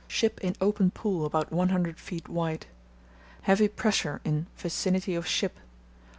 Ship in open pool about 100 ft. wide. Heavy pressure in vicinity of ship.